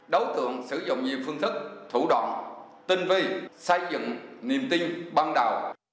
đối tượng sử dụng nhiều phương thức thủ đoạn tinh vi xây dựng niềm tin ban đầu